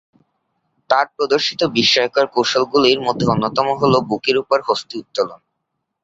তার প্রদর্শিত বিস্ময়কর কৌশলগুলির মধ্যে অন্যতম হল বুকের উপরে হস্তী উত্তোলন।